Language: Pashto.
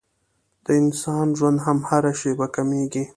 د انسان ژوند هم هره شېبه کمېږي.